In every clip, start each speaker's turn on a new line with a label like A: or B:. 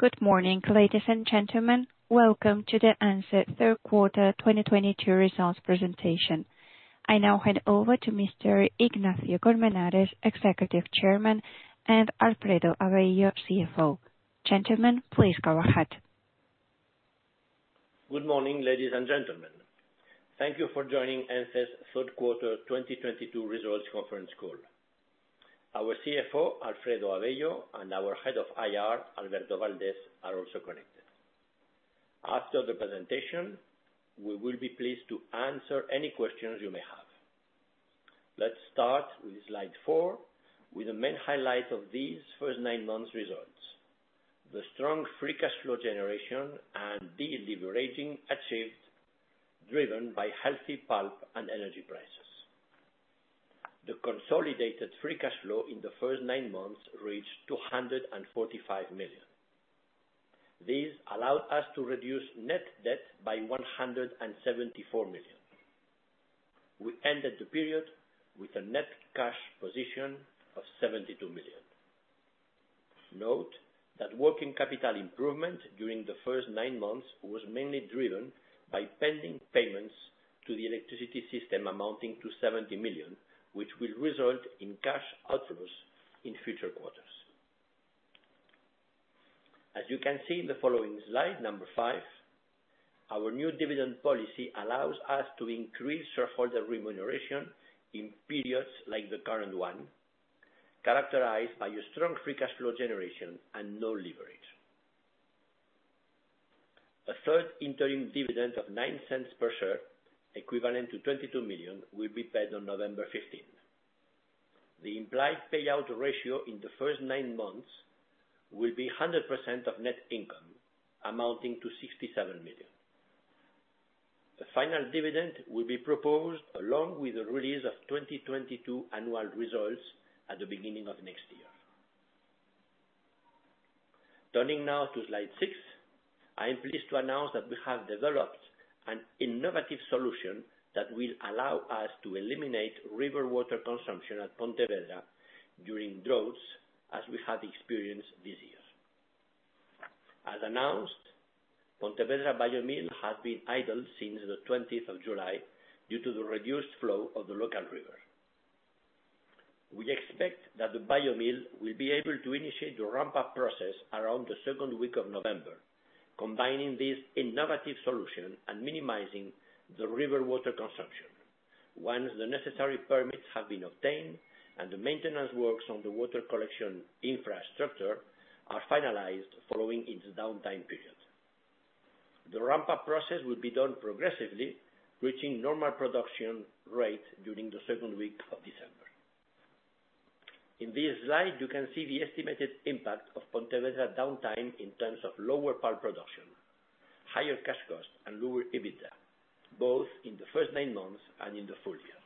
A: Good morning, ladies and gentlemen. Welcome to the ENCE third quarter 2022 results presentation. I now hand over to Mr. Ignacio de Colmenares, Executive Chairman, and Alfredo Avello, CFO. Gentlemen, please go ahead.
B: Good morning, ladies and gentlemen. Thank you for joining ENCE's third quarter 2022 results conference call. Our CFO, Alfredo Avello, and our Head of IR, Alberto Valdés, are also connected. After the presentation, we will be pleased to answer any questions you may have. Let's start with slide four with the main highlight of these first nine months results. The strong free cash flow generation and de-leveraging achieved, driven by healthy pulp and energy prices. The consolidated free cash flow in the first nine months reached 245 million. This allowed us to reduce net debt by 174 million. We ended the period with a net cash position of 72 million. Note that working capital improvement during the first nine months was mainly driven by pending payments to the electricity system amounting to 70 million, which will result in cash outflows in future quarters. As you can see in the following slide five, our new dividend policy allows us to increase shareholder remuneration in periods like the current one, characterized by a strong free cash flow generation and no leverage. A third interim dividend of 0.09 per share, equivalent to 22 million, will be paid on November15th. The implied payout ratio in the first nine months will be 100% of net income amounting to 67 million. The final dividend will be proposed along with the release of 2022 annual results at the beginning of next year. Turning now to slide six, I am pleased to announce that we have developed an innovative solution that will allow us to eliminate river water consumption at Pontevedra during droughts as we have experienced this year. As announced, Pontevedra biofactory has been idled since the 20th of July due to the reduced flow of the local river. We expect that the biofactory will be able to initiate the ramp-up process around the second week of November, combining this innovative solution and minimizing the river water consumption once the necessary permits have been obtained and the maintenance works on the water collection infrastructure are finalized following its downtime period. The ramp-up process will be done progressively, reaching normal production rate during the second week of December. In this slide, you can see the estimated impact of Pontevedra downtime in terms of lower pulp production, higher cash costs, and lower EBITDA, both in the first nine months and in the full year.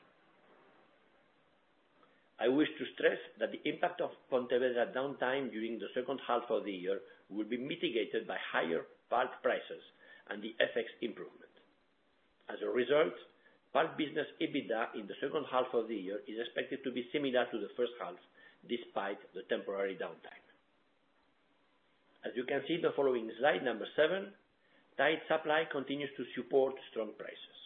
B: I wish to stress that the impact of Pontevedra downtime during the second half of the year will be mitigated by higher pulp prices and the FX improvement. As a result, pulp business EBITDA in the second half of the year is expected to be similar to the first half, despite the temporary downtime. As you can see in the following slide seven, tight supply continues to support strong prices.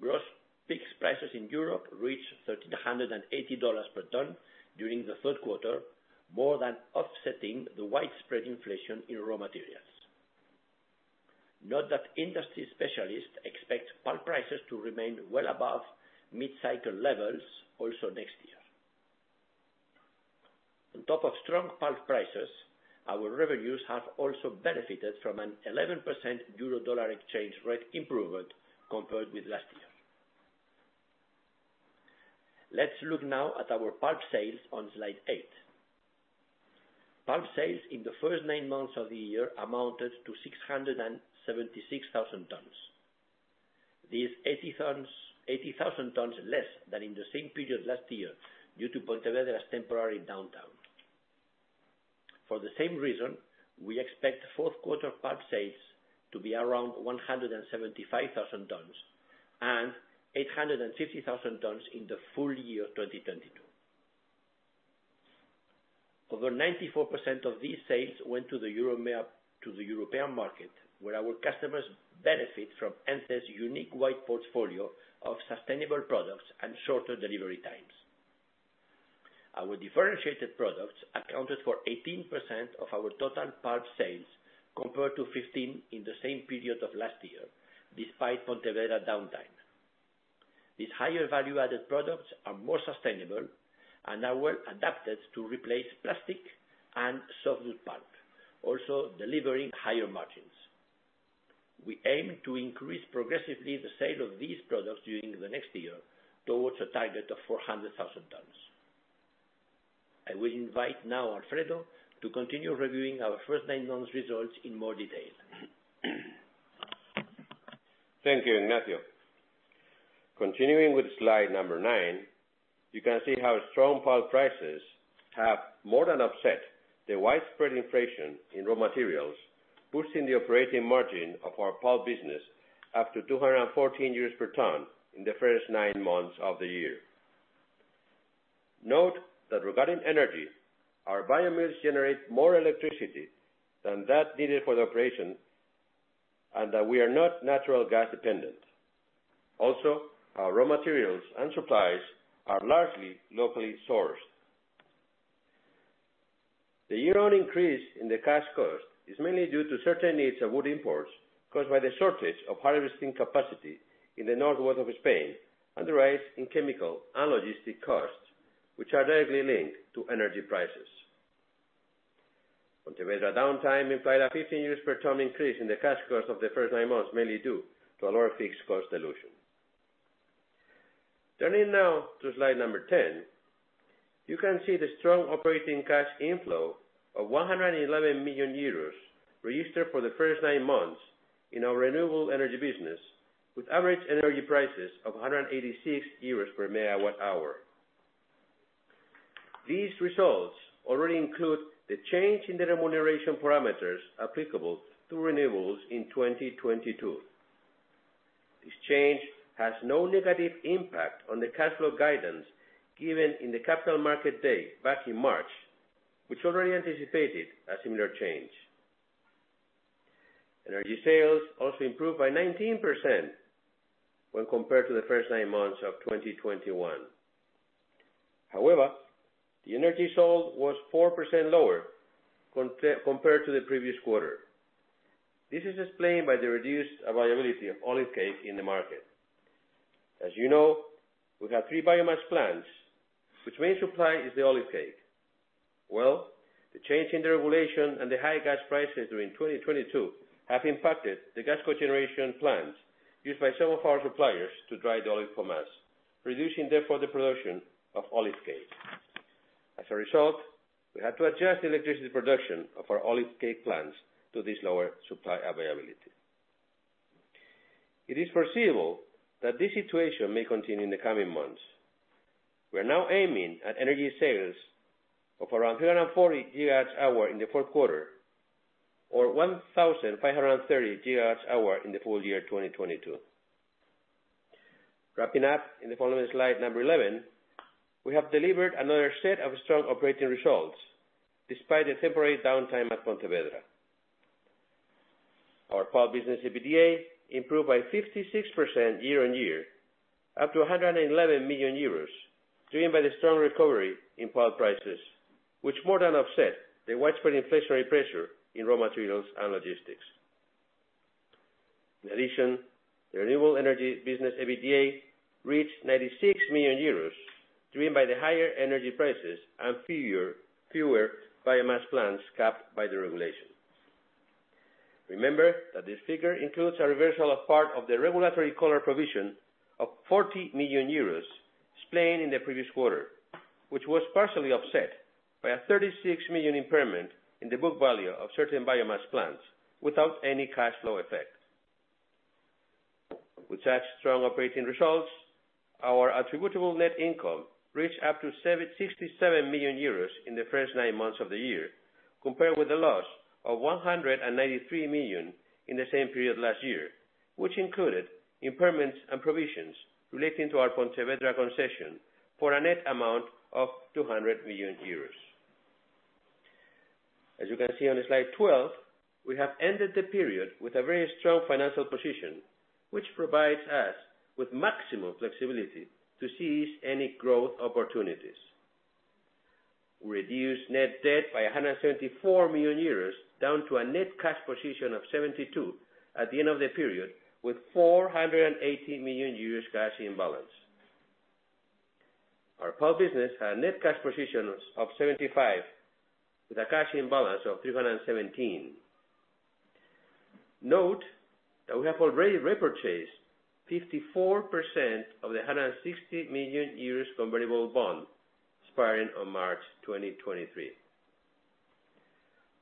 B: Gross fixed prices in Europe reached $180 per ton during the third quarter, more than offsetting the widespread inflation in raw materials. Note that industry specialists expect pulp prices to remain well above mid-cycle levels also next year. On top of strong pulp prices, our revenues have also benefited from an 11% euro dollar exchange rate improvement compared with last year. Let's look now at our pulp sales on slide eight. Pulp sales in the first nine months of the year amounted to 676,000 tons. This 80,000 tons less than in the same period last year due to Pontevedra's temporary downtime. For the same reason, we expect fourth quarter pulp sales to be around 175,000 tons and 850,000 tons in the full year 2022. Over 94% of these sales went to the European market, where our customers benefit from ENCE's unique wide portfolio of sustainable products and shorter delivery times. Our differentiated products accounted for 18% of our total pulp sales, compared to 15% in the same period of last year, despite Pontevedra downtime. These higher value-added products are more sustainable and are well-adapted to replace plastic and softwood pulp, also delivering higher margins. We aim to increase progressively the sale of these products during the next year towards a target of 400,000 tons. I will invite now Alfredo to continue reviewing our first nine months results in more detail.
C: Thank you, Ignacio. Continuing with slide number nine, you can see how strong pulp prices have more than offset the widespread inflation in raw materials boosting the operating margin of our pulp business up to 214 euros per ton in the first ninE months of the year. Note that regarding energy, our biomass generates more electricity than that needed for the operation, and that we are not natural gas dependent. Also, our raw materials and supplies are largely locally sourced. The year-on-year increase in the cash cost is mainly due to certain needs of wood imports caused by the shortage of harvesting capacity in the Northwest of Spain and the rise in chemical and logistic costs, which are directly linked to energy prices. Pontevedra downtime implied a 15 per ton increase in the cash cost of the first nine months, mainly due to a lower fixed cost dilution. Turning now to slide number 10, you can see the strong operating cash inflow of 111 million euros registered for the first nine months in our renewable energy business, with average energy prices of 186 euros per megawatt-hour. These results already include the change in the remuneration parameters applicable to renewables in 2022. This change has no negative impact on the cash flow guidance given in the Capital Markets Day back in March, which already anticipated a similar change. Energy sales also improved by 19% when compared to the first nine months of 2021. However, the energy sold was 4% lower compared to the previous quarter. This is explained by the reduced availability of olive cake in the market. As you know, we have three biomass plants which main supply is the olive cake. Well, the change in the regulation and the high gas prices during 2022 have impacted the gas cogeneration plants used by some of our suppliers to dry the olive pomace, reducing therefore the production of olive cake. As a result, we had to adjust the electricity production of our olive cake plants to this lower supply availability. It is foreseeable that this situation may continue in the coming months. We are now aiming at energy sales of around 340 GWh in the fourth quarter, or 1,530 GWh in the full year 2022. Wrapping up in the following slide, number 11, we have delivered another set of strong operating results, despite the temporary downtime at Pontevedra. Our pulp business EBITDA improved by 56% year-over-year, up to 111 million euros, driven by the strong recovery in pulp prices, which more than offset the widespread inflationary pressure in raw materials and logistics. In addition, the renewable energy business EBITDA reached 96 million euros, driven by the higher energy prices and fewer biomass plants capped by the regulation. Remember that this figure includes a reversal of part of the regulatory clawback provision of 40 million euros explained in the previous quarter, which was partially offset by a 36 million impairment in the book value of certain biomass plants without any cash flow effect. With such strong operating results, our attributable net income reached up to 67 million euros in the first nine months of the year, compared with the loss of 193 million in the same period last year, which included impairments and provisions relating to our Pontevedra concession for a net amount of 200 million euros. As you can see on slide 12, we have ended the period with a very strong financial position, which provides us with maximum flexibility to seize any growth opportunities. We reduced net debt by 174 million euros down to a net cash position of 72 million at the end of the period, with 480 million euros cash in balance. Our pulp business had net cash positions of 75 million, with a cash in balance of 317 million. Note that we have already repurchased 54% of the 160 million euros convertible bond expiring on March 2023.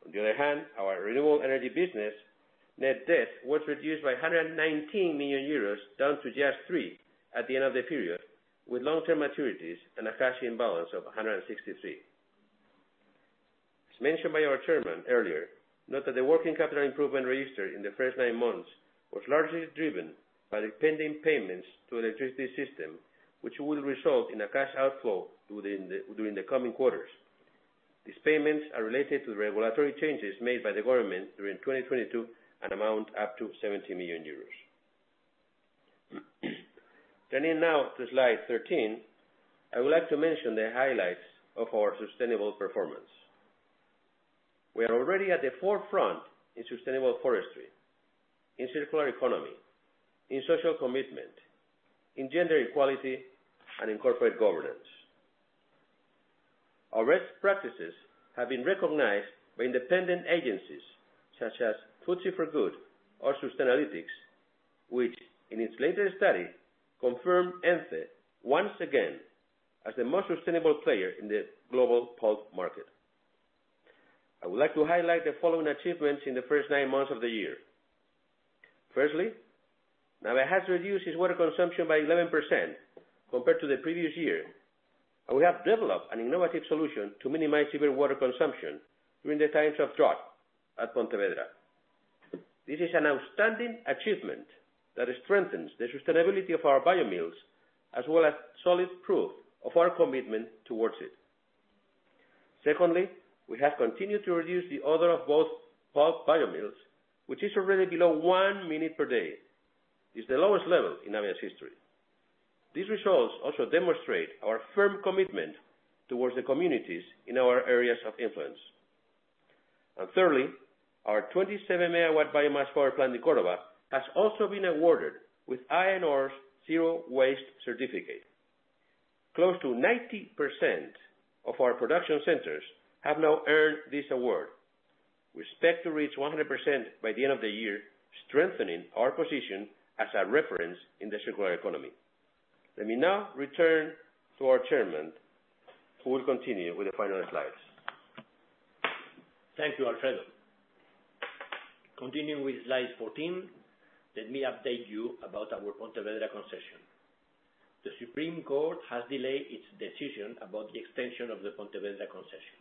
C: On the other hand, our renewable energy business net debt was reduced by 119 million euros, down to just 3 million at the end of the period, with long-term maturities and a cash balance of 163 million. As mentioned by our chairman earlier, note that the working capital improvement registered in the first nine months was largely driven by the pending payments to electricity system, which will result in a cash outflow during the coming quarters. These payments are related to the regulatory changes made by the government during 2022 and amount up to 70 million euros. Turning now to slide 13, I would like to mention the highlights of our sustainable performance. We are already at the forefront in sustainable forestry, in circular economy, in social commitment, in gender equality, and in corporate governance. Our best practices have been recognized by independent agencies such as FTSE4Good or Sustainalytics, which in its latest study confirmed ENCE once again as the most sustainable player in the global pulp market. I would like to highlight the following achievements in the first nine months of the year. Firstly, Navia has reduced its water consumption by 11% compared to the previous year, and we have developed an innovative solution to minimize river water consumption during the times of drought at Pontevedra. This is an outstanding achievement that strengthens the sustainability of our bio mills, as well as solid proof of our commitment towards it. Secondly, we have continued to reduce the odor of both pulp bio mills, which is already below one minute per day. It's the lowest level in Navia's history. These results also demonstrate our firm commitment toward the communities in our areas of influence. Thirdly, our 27 MW biomass power plant in Córdoba has also been awarded with AENOR's Zero Waste Certificate. Close to 90% of our production centers have now earned this award. We expect to reach 100% by the end of the year, strengthening our position as a reference in the circular economy. Let me now return to our chairman, who will continue with the final slides.
B: Thank you, Alfredo. Continuing with slide 14, let me update you about our Pontevedra concession. The Supreme Court has delayed its decision about the extension of the Pontevedra concession.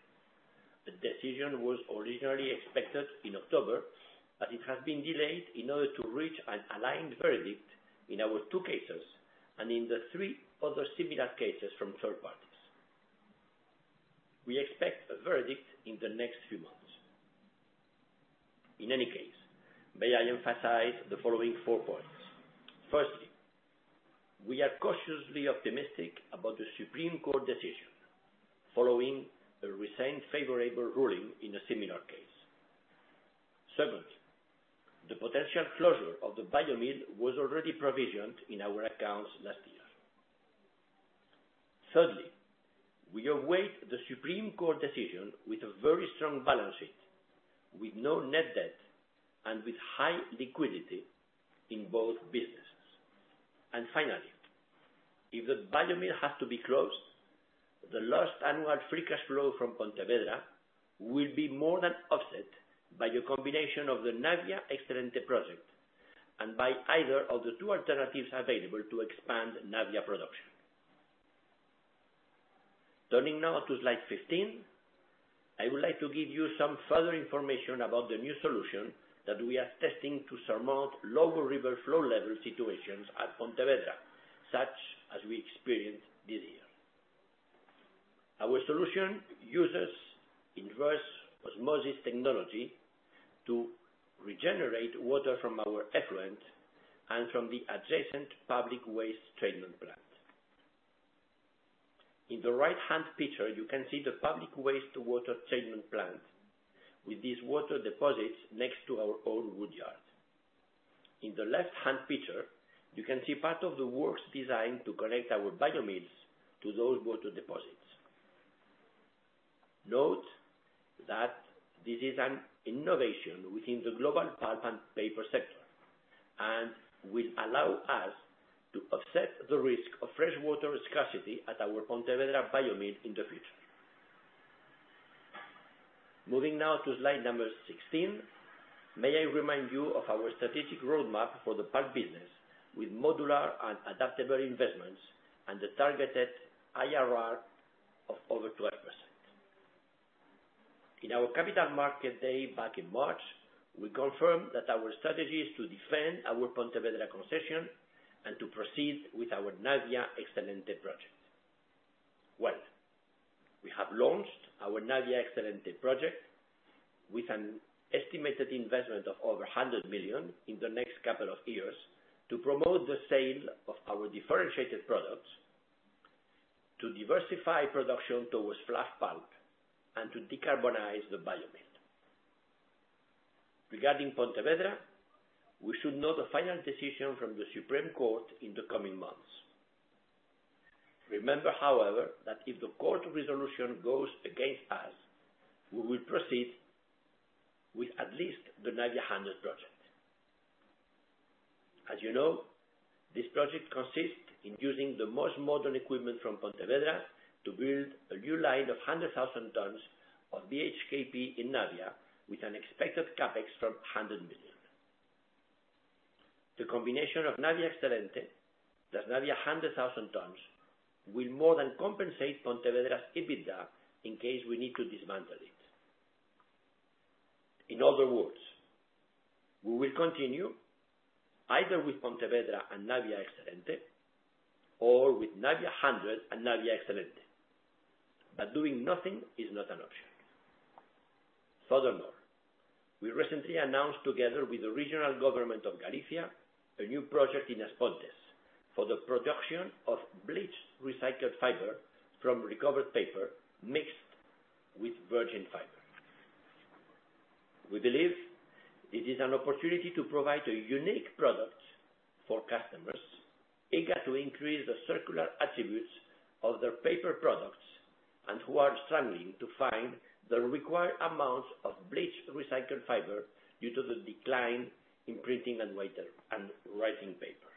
B: The decision was originally expected in October, but it has been delayed in order to reach an aligned verdict in our two cases and in the three other similar cases from third parties. We expect a verdict in the next few months. In any case, may I emphasize the following four points. Firstly, we are cautiously optimistic about the Supreme Court decision following a recent favorable ruling in a similar case. Secondly, the potential closure of the biofactory was already provisioned in our accounts last year. Thirdly, we await the Supreme Court decision with a very strong balance sheet, with no net debt, and with high liquidity in both businesses. Finally, if the biofactory has to be closed, the lost annual free cash flow from Pontevedra will be more than offset by the combination of the Navia Excelente project and by either of the two alternatives available to expand Navia production. Turning now to slide 15, I would like to give you some further information about the new solution that we are testing to surmount low river flow level situations at Pontevedra, such as we experienced this year. Our solution uses reverse osmosis technology to regenerate water from our effluent and from the adjacent public wastewater treatment plant. In the right-hand picture, you can see the public wastewater treatment plant with these water deposits next to our own wood yard. In the left-hand picture, you can see part of the works designed to connect our biofactories to those water deposits. Note that this is an innovation within the global pulp and paper sector, and will allow us to offset the risk of fresh water scarcity at our Pontevedra biofactory in the future. Moving now to slide number 16. May I remind you of our strategic roadmap for the pulp business with modular and adaptable investments and the targeted IRR of over 12%. In our Capital Market Day back in March, we confirmed that our strategy is to defend our Pontevedra concession and to proceed with our Navia Excelente project. Well, we have launched our Navia Excelente project with an estimated investment of over 100 million in the next couple of years to promote the sale of our differentiated products, to diversify production towards fluff pulp, and to decarbonize the biofactory. Regarding Pontevedra, we should know the final decision from the Supreme Court in the coming months. Remember, however, that if the court resolution goes against us, we will proceed with at least the Navia 100 project. As you know, this project consists in using the most modern equipment from Pontevedra to build a new line of 100,000 tons of BHKP in Navia with an expected CapEx of 100 million. The combination of Navia Excelente plus Navia 100,000 tons will more than compensate Pontevedra's EBITDA in case we need to dismantle it. In other words, we will continue either with Pontevedra and Navia Excelente or with Navia 100 and Navia Excelente, but doing nothing is not an option. Furthermore, we recently announced together with the regional government of Galicia, a new project in As Pontes for the production of bleached recycled fiber from recovered paper mixed with virgin fiber. We believe it is an opportunity to provide a unique product for customers eager to increase the circular attributes of their paper products and who are struggling to find the required amounts of bleached recycled fiber due to the decline in printing and writing paper.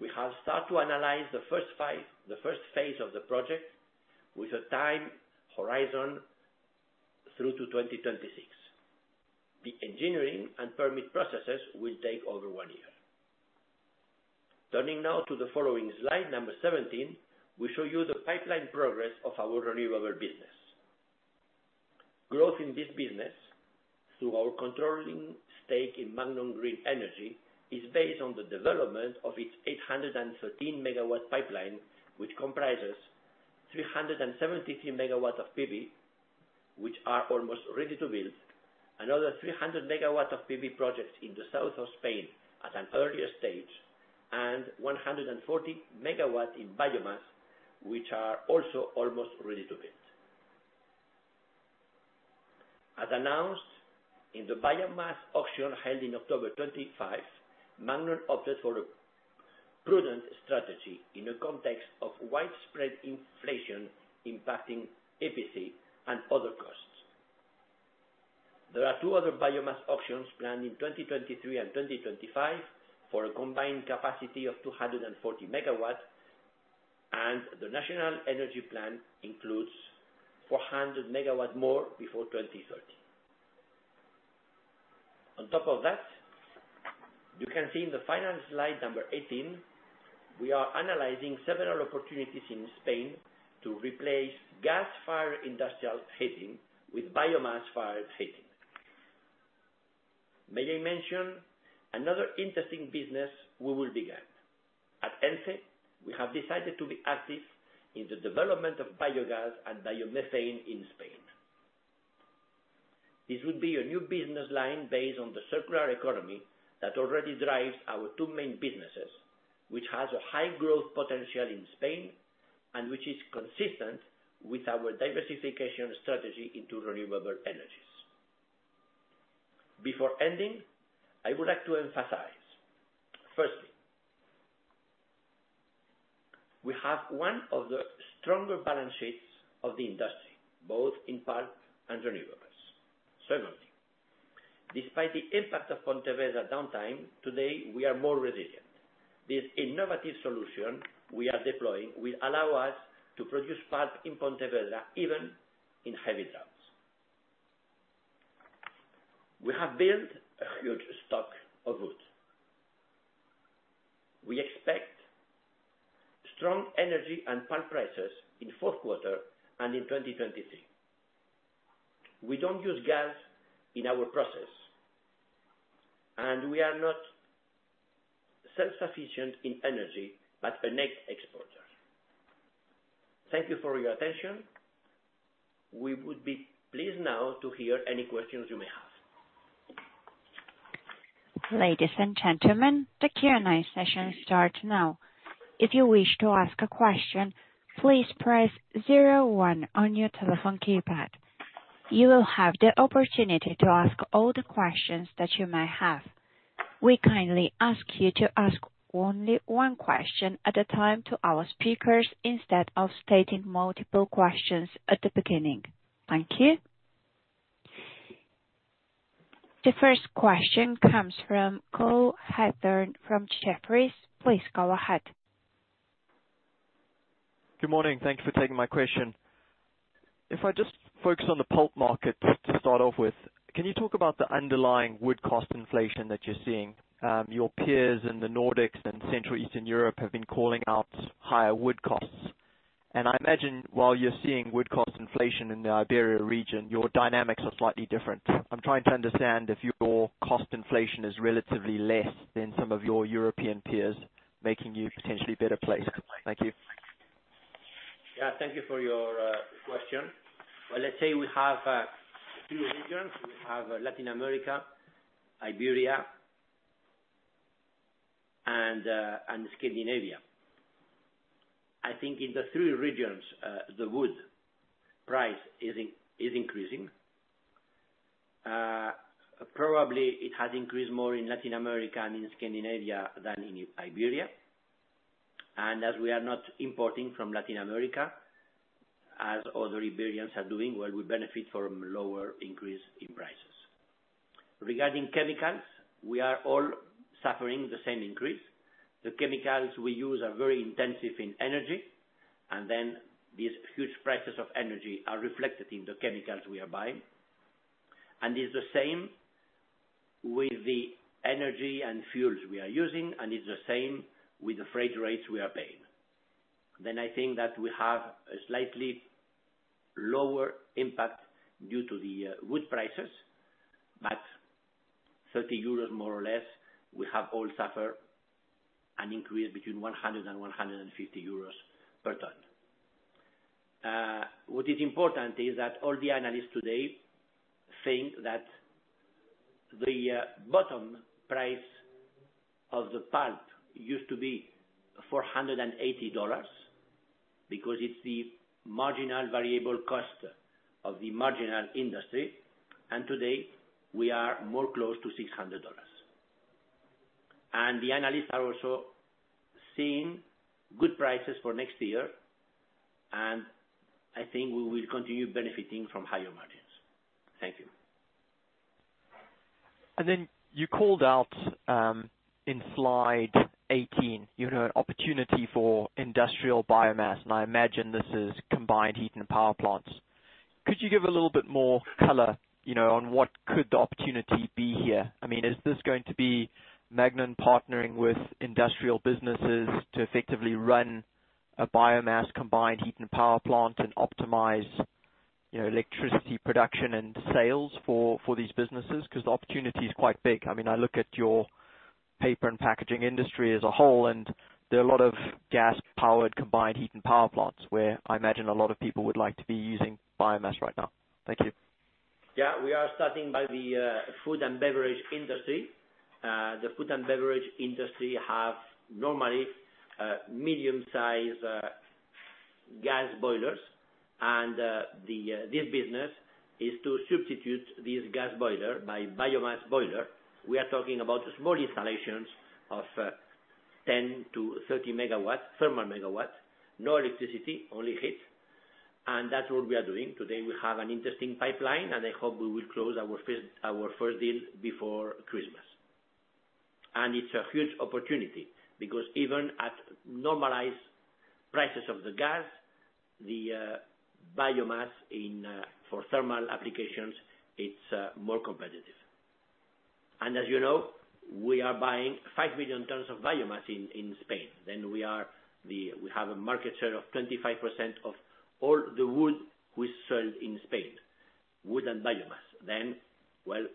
B: We have started to analyze the first phase of the project with a time horizon through to 2026. The engineering and permit processes will take over one year. Turning now to the following slide number 17, we show you the pipeline progress of our renewable business. Growth in this business through our controlling stake in Magnon Green Energy is based on the development of its 813 MW pipeline, which comprises 373MW of PV, which are almost ready to build. 300 MW of PV projects in the South of Spain at an earlier stage, and 140 MW in biomass, which are also almost ready to build. As announced in the biomass auction held in October 2025, Magnon opted for a prudent strategy in a context of widespread inflation impacting EPC and other costs. There are two other biomass auctions planned in 2023 and 2025 for a combined capacity of 240 MW, and the national energy plan includes 400 MW more before 2030. On top of that, you can see in the final slide number 18, we are analyzing several opportunities in Spain to replace gas-fired industrial heating with biomass-fired heating. May I mention another interesting business we will begin. At ENCE, we have decided to be active in the development of biogas and biomethane in Spain. This will be a new business line based on the circular economy that already drives our two main businesses, which has a high growth potential in Spain and which is consistent with our diversification strategy into renewable energies. Before ending, I would like to emphasize, firstly, we have one of the stronger balance sheets of the industry, both in pulp and renewables. Secondly, despite the impact of Pontevedra downtime, today we are more resilient. This innovative solution we are deploying will allow us to produce pulp in Pontevedra even in heavy droughts. We have built a huge stock of wood. We expect strong energy and pulp prices in fourth quarter and in 2023. We don't use gas in our process, and we are not self-sufficient in energy, but a net exporter. Thank you for your attention. We would be pleased now to hear any questions you may have.
A: Ladies and gentlemen, the Q&A session starts now. If you wish to ask a question, please press zero one on your telephone keypad. You will have the opportunity to ask all the questions that you may have. We kindly ask you to ask only one question at a time to our speakers instead of stating multiple questions at the beginning. Thank you. The first question comes from Cole Hathorn from Jefferies. Please go ahead.
D: Good morning. Thank you for taking my question. If I just focus on the pulp market to start off with, can you talk about the underlying wood cost inflation that you're seeing? Your peers in the Nordics and Central and Eastern Europe have been calling out higher wood costs. I imagine while you're seeing wood cost inflation in the Iberia region, your dynamics are slightly different. I'm trying to understand if your cost inflation is relatively less than some of your European peers, making you potentially better placed. Thank you.
B: Yeah, thank you for your question. Well, let's say we have two regions. We have Latin America, Iberia, and Scandinavia. I think in the three regions, the wood price is increasing. Probably it has increased more in Latin America and in Scandinavia than in Iberia. As we are not importing from Latin America, as other Iberians are doing, well, we benefit from lower increase in prices. Regarding chemicals, we are all suffering the same increase. The chemicals we use are very intensive in energy, and then these huge prices of energy are reflected in the chemicals we are buying. It's the same with the energy and fuels we are using, and it's the same with the freight rates we are paying. I think that we have a slightly lower impact due to the wood prices. 30 euros, more or less, we have all suffered an increase between 100 and 150 euros per ton. What is important is that all the analysts today think that the bottom price of the pulp used to be $480 because it's the marginal variable cost of the marginal industry. Today, we are more close to $600. The analysts are also seeing good prices for next year, and I think we will continue benefiting from higher margins. Thank you.
D: You called out in slide 18, you have an opportunity for industrial biomass, and I imagine this is combined heat and power plants. Could you give a little bit more color, you know, on what could the opportunity be here? I mean, is this going to be Magnon partnering with industrial businesses to effectively run a biomass combined heat and power plant and optimize, you know, electricity production and sales for these businesses? Because the opportunity is quite big. I mean, I look at your paper and packaging industry as a whole, and there are a lot of gas-powered combined heat and power plants where I imagine a lot of people would like to be using biomass right now. Thank you.
B: Yeah. We are starting by the food and beverage industry. The food and beverage industry has normally medium-size gas boilers. This business is to substitute this gas boiler by biomass boiler. We are talking about small installations of 10 MW-30 MW, thermal megawatts. No electricity, only heat. That's what we are doing. Today, we have an interesting pipeline, and I hope we will close our first deal before Christmas. It's a huge opportunity because even at normalized prices of the gas, the biomass for thermal applications is more competitive. As you know, we are buying 5 million tons of biomass in Spain. We have a market share of 25% of all the wood we sold in Spain, wood and biomass. Well,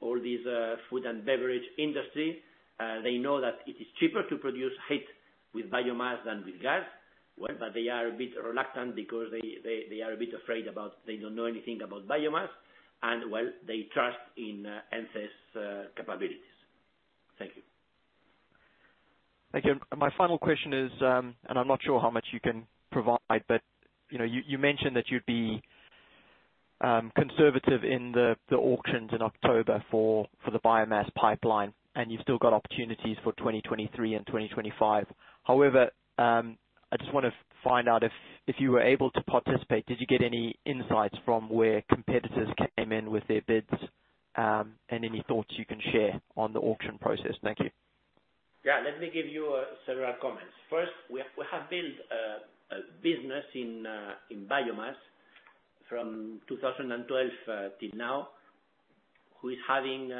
B: all these food and beverage industry, they know that it is cheaper to produce heat with biomass than with gas. Well, but they are a bit reluctant because they are a bit afraid about they don't know anything about biomass and, well, they trust in ENCE's capabilities. Thank you.
D: Thank you. My final question is, I'm not sure how much you can provide, but you know, you mentioned that you'd be conservative in the auctions in October for the biomass pipeline, and you've still got opportunities for 2023 and 2025. However, I just wanna find out if you were able to participate, did you get any insights from where competitors came in with their bids, and any thoughts you can share on the auction process? Thank you.
B: Let me give you several comments. First, we have built a business in biomass from 2012 till now, who is having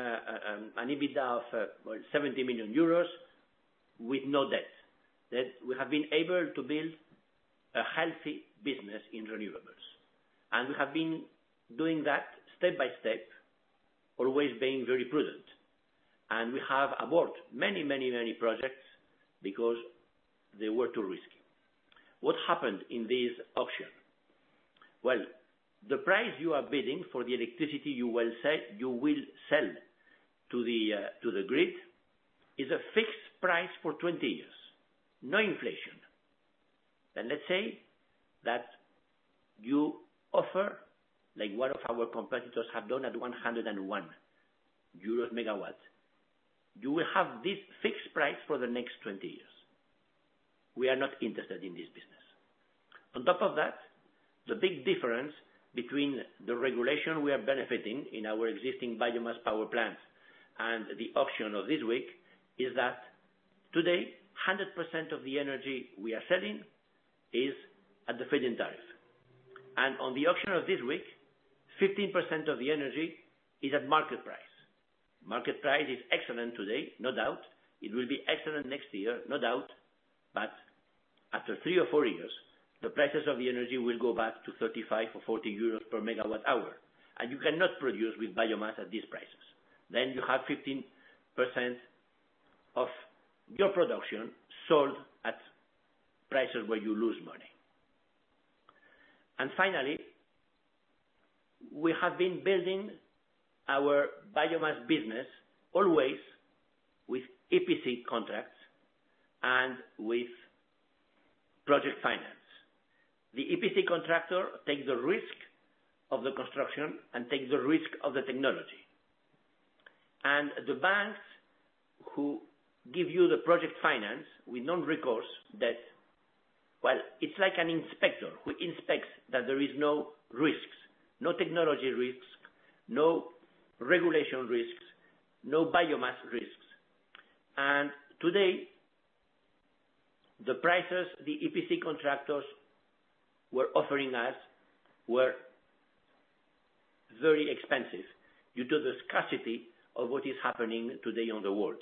B: an EBITDA of well, 70 million euros with no debt. That we have been able to build a healthy business in renewables. We have been doing that step by step, always being very prudent. We have aborted many projects because they were too risky. What happened in this auction? Well, the price you are bidding for the electricity you will sell to the grid is a fixed price for 20 years, no inflation. Let's say that you offer, like one of our competitors have done at 101 euros/MWh. You will have this fixed price for the next 20 years. We are not interested in this business. On top of that, the big difference between the regulation we are benefiting in our existing biomass power plants and the auction of this week is that today 100% of the energy we are selling is at the feed-in tariff. On the auction of this week, 15% of the energy is at market price. Market price is excellent today, no doubt. It will be excellent next year, no doubt. After three or four years, the prices of the energy will go back to 35/MWh or 40 euros/MWh, and you cannot produce with biomass at these prices. You have 15% of your production sold at prices where you lose money. Finally, we have been building our biomass business always with EPC contracts and with project finance. The EPC contractor takes the risk of the construction and takes the risk of the technology. The banks who give you the project finance with non-recourse debt, well, it's like an inspector who inspects that there is no risks, no technology risks, no regulation risks, no biomass risks. Today, the prices the EPC contractors were offering us were very expensive due to the scarcity of what is happening today in the world.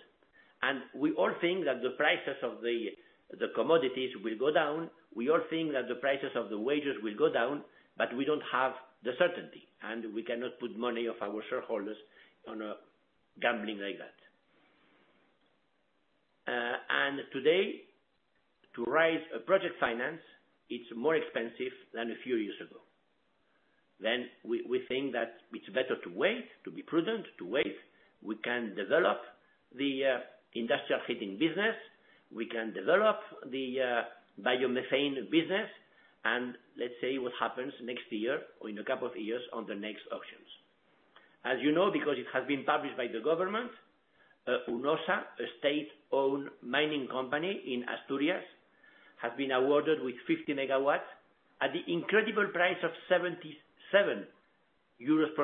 B: We all think that the prices of the commodities will go down. We all think that the prices of the wages will go down, but we don't have the certainty, and we cannot put money of our shareholders on a gambling like that. Today, to raise a project finance, it's more expensive than a few years ago. We think that it's better to wait, to be prudent, to wait. We can develop the industrial heating business. We can develop the biomethane business, and let's see what happens next year or in a couple of years on the next auctions. As you know, because it has been published by the government, Hunosa, a state-owned mining company in Asturias, has been awarded 50 MW at the incredible price of EUR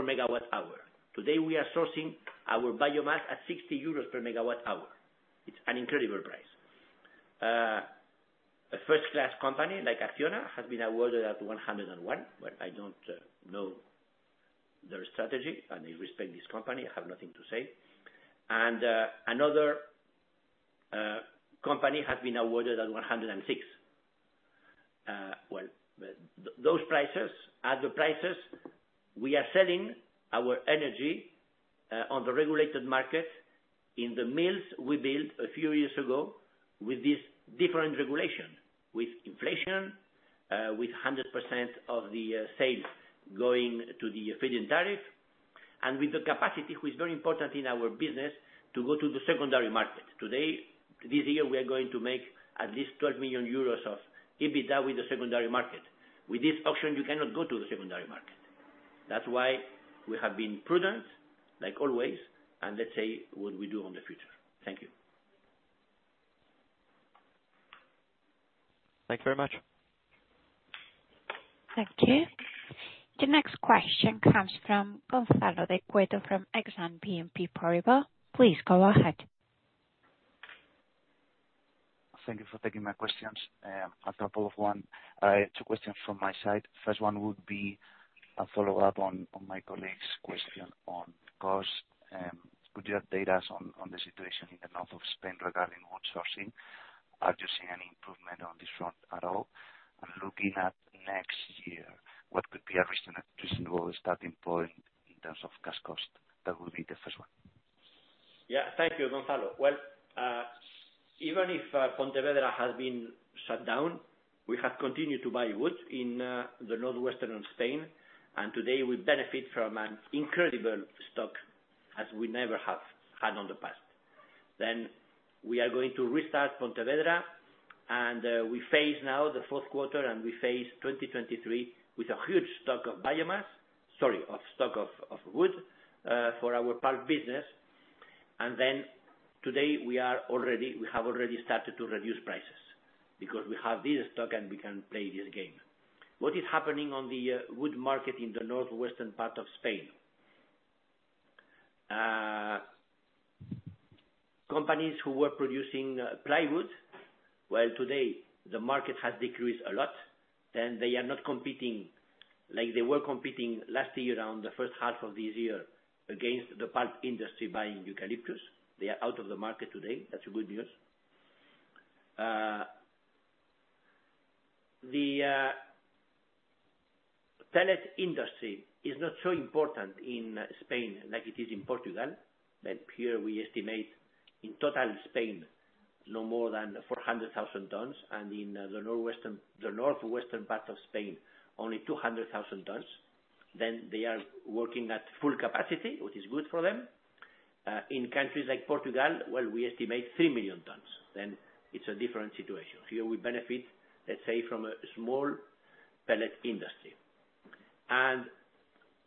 B: 77/MWh. Today, we are sourcing our biomass at 60 euros/MWh. It's an incredible price. A first-class company, like Acciona, has been awarded 101, but I don't know their strategy, and I respect this company. I have nothing to say. Another company has been awarded 106. Well, those prices, at the prices we are selling our energy on the regulated market in the mills we built a few years ago with this different regulation, with inflation, with 100% of the sales going to the feed-in tariff. With the capacity, which is very important in our business, to go to the secondary market. Today, this year, we are going to make at least 12 million euros of EBITDA with the secondary market. With this auction, you cannot go to the secondary market. That's why we have been prudent, like always, and let's say, what we do in the future. Thank you.
D: Thank you very much.
A: Thank you. The next question comes from Gonzalo de Cueto from Exane BNP Paribas. Please go ahead.
E: Thank you for taking my questions. A couple of one, two questions from my side. First one would be a follow-up on my colleague's question on cost. Could you update us on the situation in the north of Spain regarding wood sourcing? Are you seeing any improvement on this front at all? Looking at next year, what could be a reasonable starting point in terms of gas cost? That will be the first one.
B: Yeah. Thank you, Gonzalo. Well, even if Pontevedra has been shut down, we have continued to buy wood in the Northwest of Spain, and today we benefit from an incredible stock as we never have had in the past. We are going to restart Pontevedra, and we face now the fourth quarter, and we face 2023 with a huge stock of biomass. Sorry, stock of wood for our pulp business. Today we are already. We have already started to reduce prices because we have this stock and we can play this game. What is happening on the wood market in the Northwest part of Spain? Companies who were producing plywood, well, today the market has decreased a lot. They are not competing like they were competing last year, around the first half of this year against the pulp industry buying eucalyptus. They are out of the market today. That's good news. The pellet industry is not so important in Spain like it is in Portugal. Here we estimate in total Spain, no more than 400,000 tons, and in the Northwestern part of Spain, only 200,000 tons. They are working at full capacity, which is good for them. In countries like Portugal, well, we estimate 3 million tons. It's a different situation. Here we benefit, let's say, from a small pellet industry.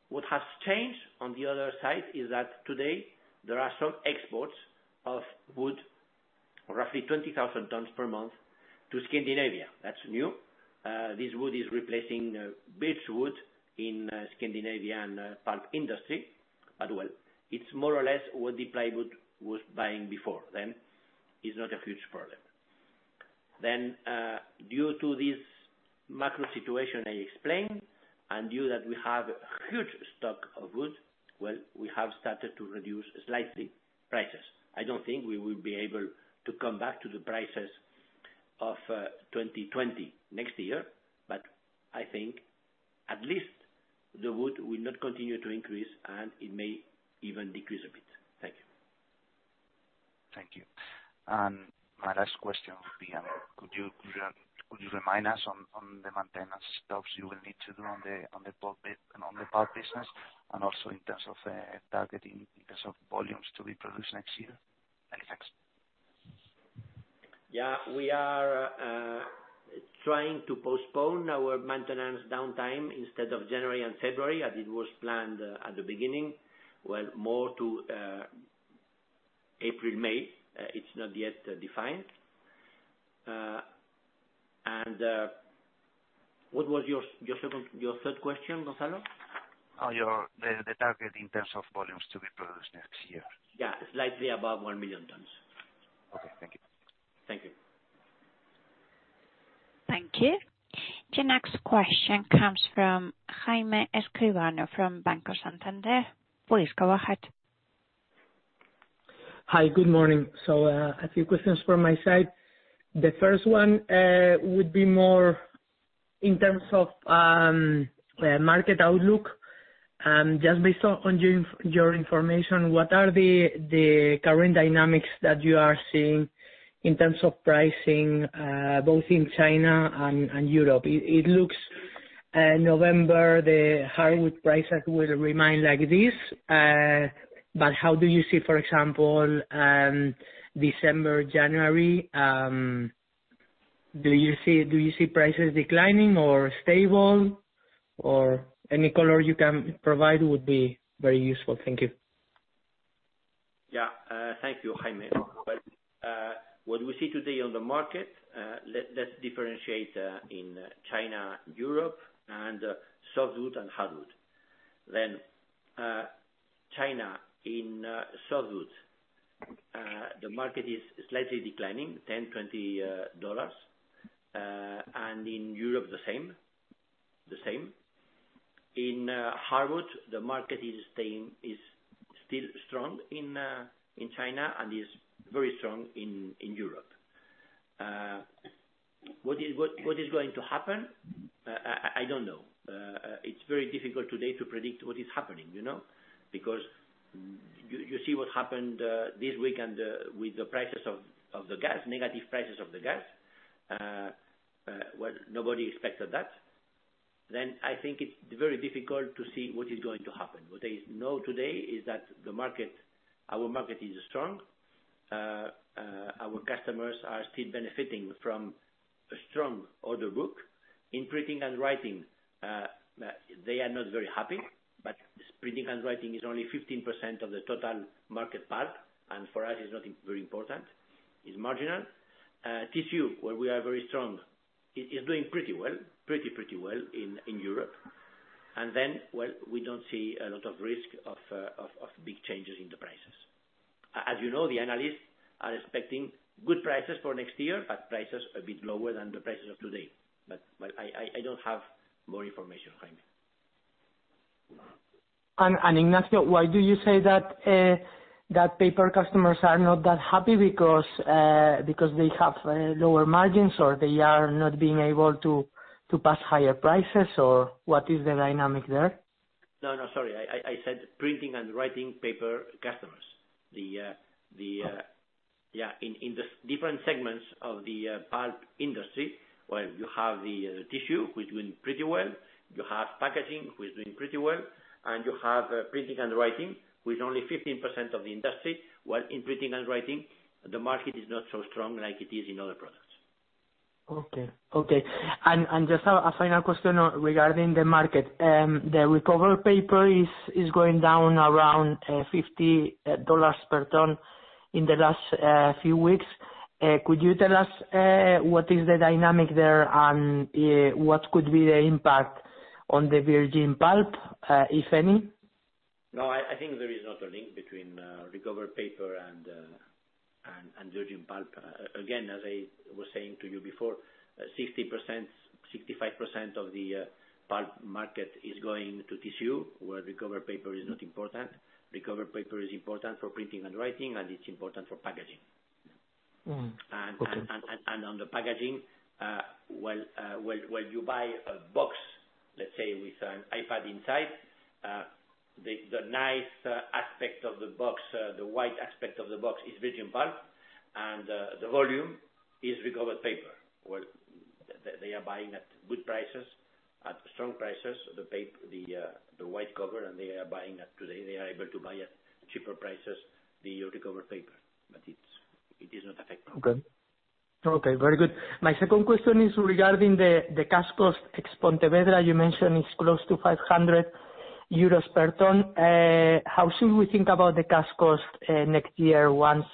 B: What has changed on the other side is that today there are some exports of wood, roughly 20,000 tons per month to Scandinavia. That's new. This wood is replacing birch wood in Scandinavian pulp industry as well. It's more or less what the plywood was buying before then. It's not a huge problem. Due to this macro situation I explained and due to that we have huge stock of wood, well, we have started to reduce slightly prices. I don't think we will be able to come back to the prices of 2020 next year, but I think at least the wood will not continue to increase, and it may even decrease a bit. Thank you.
E: Thank you. My last question would be, could you remind us on the maintenance stops you will need to do on the pulp and the pulp business and also in terms of targeting volumes to be produced next year? Many thanks.
B: Yeah. We are trying to postpone our maintenance downtime instead of January and February, as it was planned at the beginning. Well, more to April, May. It's not yet defined. What was your third question, Gonzalo?
E: The target in terms of volumes to be produced next year.
B: Yeah. Slightly above 1 million tons.
E: Okay. Thank you.
B: Thank you.
A: Thank you. The next question comes from Jaime Escribano from Banco Santander. Please go ahead.
F: Hi. Good morning. A few questions from my side. The first one would be more in terms of market outlook. Just based on your information, what are the current dynamics that you are seeing in terms of pricing both in China and Europe? It looks November the hardwood prices will remain like this. But how do you see, for example, December, January? Do you see prices declining or stable? Or any color you can provide would be very useful. Thank you.
B: Yeah. Thank you, Jaime. Well, what we see today on the market, let's differentiate in China, Europe and softwood and hardwood. China, in softwoods, the market is slightly declining, $10-$20. And in Europe the same. In hardwood, the market is still strong in China and is very strong in Europe. What is going to happen, I don't know. It's very difficult today to predict what is happening, you know. Because you see what happened this week and with the prices of the gas, negative prices of the gas. Well, nobody expected that. I think it's very difficult to see what is going to happen. What I know today is that the market, our market is strong. Our customers are still benefiting from a strong order book. In printing and writing, they are not very happy, but printing and writing is only 15% of the total market pulp, and for us it's nothing very important. It's marginal. Tissue, where we are very strong, it is doing pretty well in Europe. Well, we don't see a lot of risk of big changes in the prices. As you know, the analysts are expecting good prices for next year, but prices a bit lower than the prices of today. But I don't have more information, Jaime.
F: Ignacio, why do you say that paper customers are not that happy? Because they have lower margins or they are not being able to pass higher prices or what is the dynamic there?
B: No, no, sorry. I said printing and writing paper customers. The, yeah, in the different segments of the pulp industry, where you have the tissue, which doing pretty well, you have packaging which doing pretty well, and you have printing and writing with only 15% of the industry. Well, in printing and writing, the market is not so strong like it is in other products.
F: Just a final question regarding the market. The recovered paper is going down around $50 per ton in the last few weeks. Could you tell us what is the dynamic there and what could be the impact on the virgin pulp, if any?
B: No, I think there is not a link between recovered paper and virgin pulp. Again, as I was saying to you before, 60%-65% of the pulp market is going to tissue, where recovered paper is not important. Recovered paper is important for printing and writing, and it's important for packaging.
F: Okay.
B: On the packaging, well, when you buy a box, let's say with an iPad inside, the nice aspect of the box, the white aspect of the box is virgin pulp, and the volume is recovered paper. Well, they are buying at good prices, at strong prices, the paper, the white paper, and today they are able to buy at cheaper prices the recovered paper. But it is not affecting.
F: Okay. Okay, very good. My second question is regarding the cash costs ex Pontevedra. You mentioned it's close to 500 euros per ton. How should we think about the cash costs next year once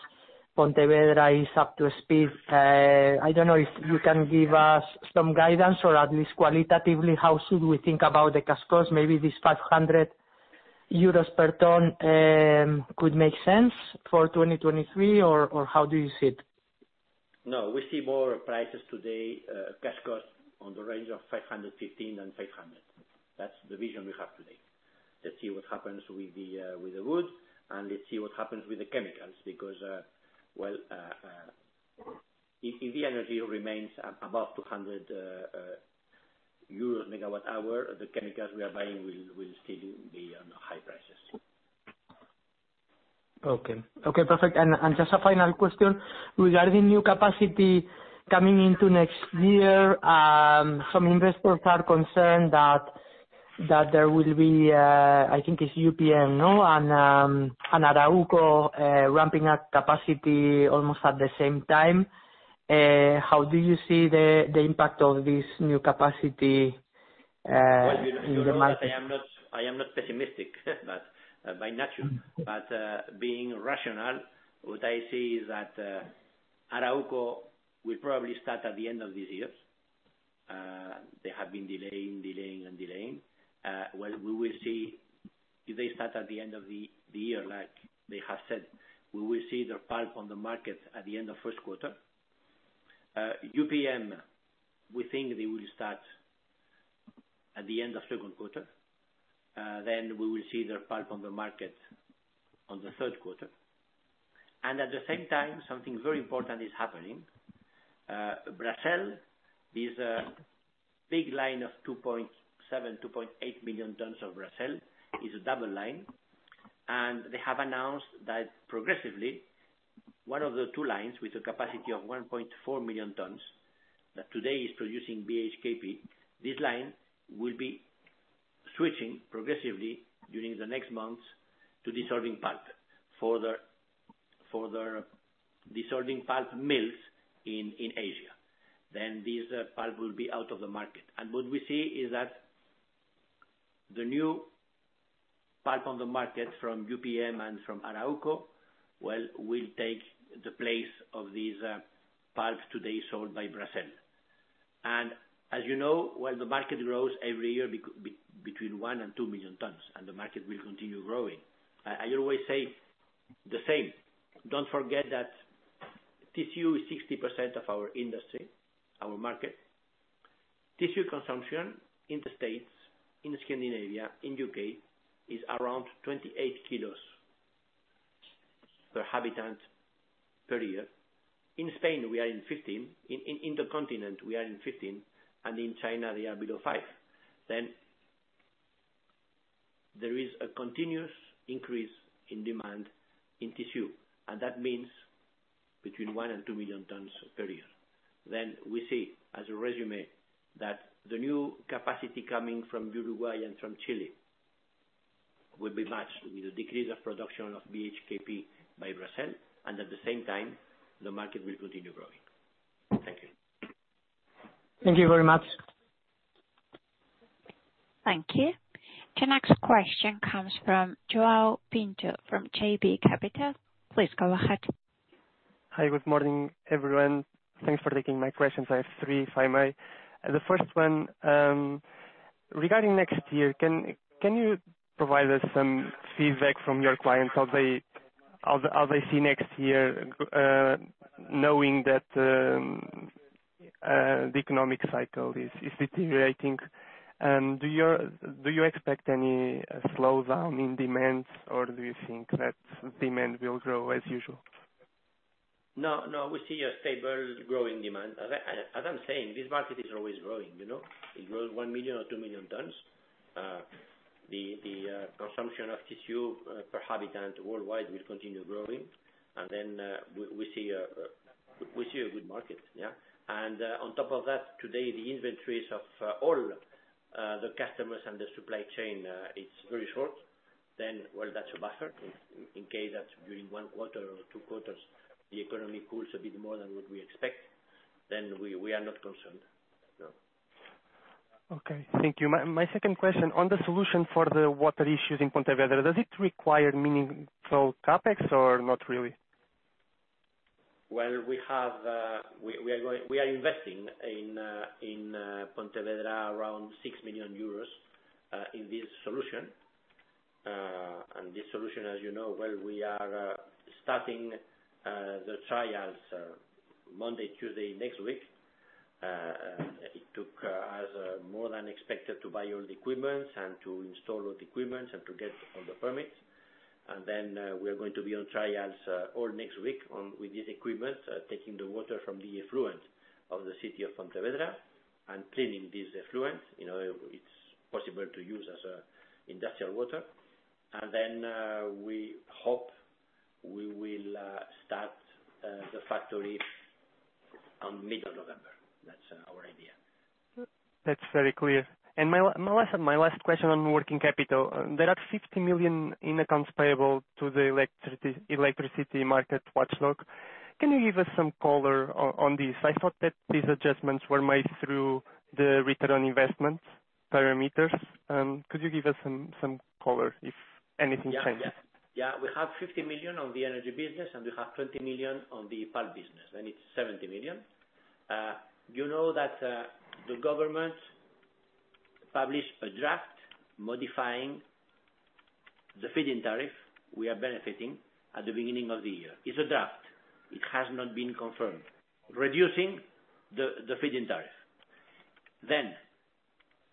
F: Pontevedra is up to speed? I don't know if you can give us some guidance or at least qualitatively, how should we think about the cash costs? Maybe this 500 euros per ton could make sense for 2023 or how do you see it?
B: No, we see our prices today, cash costs on the range of 515- 500. That's the vision we have today. Let's see what happens with the wood, and let's see what happens with the chemicals. Because if the energy remains about EUR 200/MWh, the chemicals we are buying will still be on high prices.
F: Okay. Okay, perfect. Just a final question. Regarding new capacity coming into next year, some investors are concerned that there will be Arauco ramping up capacity almost at the same time. How do you see the impact of this new capacity in the market?
B: Well, you know that I am not pessimistic, but by nature. Being rational, what I see is that Arauco will probably start at the end of this year. They have been delaying. Well, we will see if they start at the end of the year like they have said. We will see their pulp on the market at the end of first quarter. UPM, we think they will start at the end of second quarter, then we will see their pulp on the market in the third quarter. At the same time, something very important is happening. Bracell is a big line of 2.7 million-2.8 million tons in Brazil. It's a double line. They have announced that progressively, one of the two lines with a capacity of 1.4 million tons, that today is producing BHKP, this line will be switching progressively during the next months to dissolving pulp for the, for the dissolving pulp mills in Asia. This pulp will be out of the market. What we see is that the new pulp on the market from UPM and from Arauco, well, will take the place of these pulps today sold by Brazil. As you know, well, the market grows every year between 1 million tons-2 million tons, and the market will continue growing. I always say the same. Don't forget that tissue is 60% of our industry, our market. Tissue consumption in the States, in Scandinavia, in U.K. is around 28 kilos per inhabitant per year. In Spain, we are in 15. In the continent, we are in 15, and in China they are below five. There is a continuous increase in demand in tissue, and that means between 1 million tons and 2 million tons per year. We see, as a résumé, that the new capacity coming from Uruguay and from Chile will be matched with a decrease of production of BHKP by Brazil, and at the same time, the market will continue growing. Thank you.
F: Thank you very much.
A: Thank you. The next question comes from João Pinto from JB Capital. Please go ahead.
G: Hi, good morning, everyone. Thanks for taking my questions. I have three, if I may. The first one, regarding next year, can you provide us some feedback from your clients how they see next year, knowing that the economic cycle is deteriorating? Do you expect any slowdown in demands, or do you think that demand will grow as usual?
B: No, no. We see a stable growing demand. As I'm saying, this market is always growing, you know? It grows 1 million tons or 2 million tons. The consumption of tissue per capita worldwide will continue growing. We see a good market, yeah. On top of that, today, the inventories of all the customers and the supply chain, it's very short. Well, that's a buffer in case that's during one quarter or two quarters, the economy cools a bit more than what we expect, then we are not concerned. No.
G: Okay, thank you. My second question, on the solution for the water issues in Pontevedra, does it require meaningful CapEx or not really?
B: Well, we are investing in Pontevedra around 6 million euros in this solution. This solution, as you know, well, we are starting the trials Monday, Tuesday next week. It took us more than expected to buy all the equipment and to install all the equipment and to get all the permits. We are going to be on trials all next week with these equipment, taking the water from the effluent of the city of Pontevedra and cleaning this effluent. You know, it's possible to use as industrial water. We hope we will start the factory in mid-November. That's our idea.
G: That's very clear. My last question on working capital. There are 50 million in accounts payable to the electricity market watchdog. Can you give us some color on this? I thought that these adjustments were made through the return on investment parameters. Could you give us some color if anything changed?
B: We have 50 million on the energy business, and we have 20 million on the pulp business. It's 70 million. You know that the government published a draft modifying the feed-in tariff we are benefiting at the beginning of the year. It's a draft. It has not been confirmed. Reducing the feed-in tariff.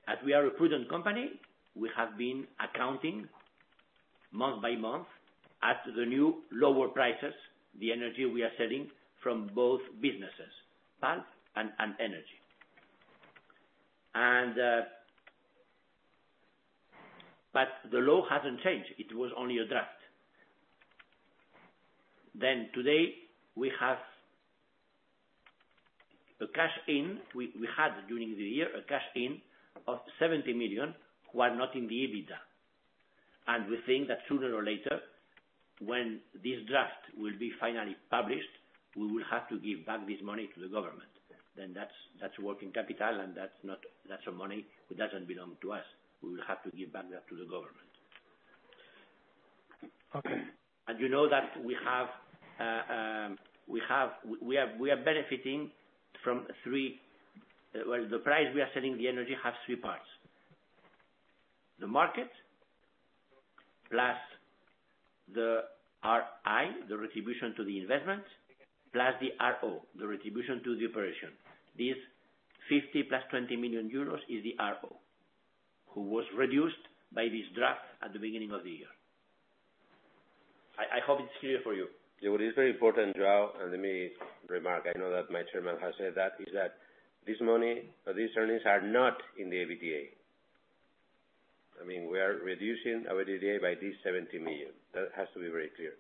B: As we are a prudent company, we have been accounting month-by-month at the new lower prices, the energy we are selling from both businesses, pulp and energy. The law hasn't changed. It was only a draft. Today, we have a cash in we had during the year, a cash in of 70 million which are not in the EBITDA. We think that sooner or later, when this draft will be finally published, we will have to give back this money to the government. That's working capital, and that's not. That's a money that doesn't belong to us. We will have to give back that to the government.
G: Okay.
B: You know that we are benefiting from three. Well, the price we are selling the energy has three parts. The market, plus the RI, the retribution to the investment, plus the RO, the retribution to the operation. This 50 million + 20 million euros is the RO, who was reduced by this draft at the beginning of the year. I hope it's clear for you.
C: Yeah. What is very important, João, and let me remark, I know that my chairman has said that, is that this money or these earnings are not in the EBITDA. I mean, we are reducing our EBITDA by 70 million. That has to be very clear.